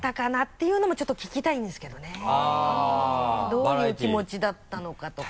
どういう気持ちだったのかとか。